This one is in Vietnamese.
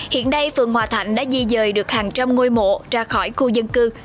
hiện đây phường hòa thạnh đã di dời được hàng trăm ngôi mộ ra khỏi khu dân cư